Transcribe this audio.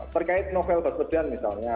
terkait novel basudan misalnya